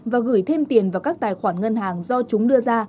và gửi thêm tiền vào các tài khoản ngân hàng do chúng đưa ra